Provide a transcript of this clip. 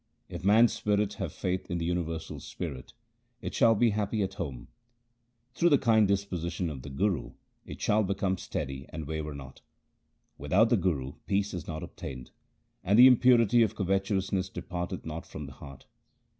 If man's spirit have faith in the universal Spirit, it shall be happy at home : Through the kind disposition of the Guru it shall become steady and waver not. Without the Guru peace is not obtained, and the impurity of covetousness departeth not from the heart.